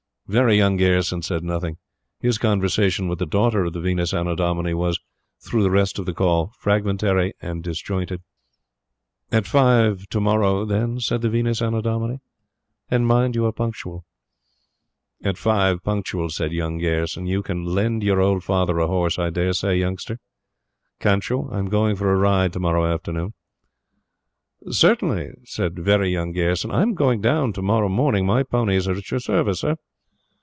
"Very Young" Gayerson said nothing. His conversation with the daughter of the Venus Annodomini was, through the rest of the call, fragmentary and disjointed. ......... "At five, to morrow then," said the Venus Annodomini. "And mind you are punctual." "At five punctual," said "Young" Gayerson. "You can lend your old father a horse I dare say, youngster, can't you? I'm going for a ride tomorrow afternoon." "Certainly," said "Very Young" Gayerson. "I am going down to morrow morning. My ponies are at your service, Sir."